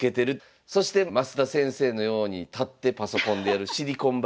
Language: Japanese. そして増田先生のように立ってパソコンでやるシリコンバレー式。